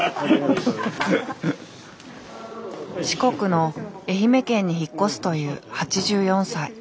四国の愛媛県に引っ越すという８４歳。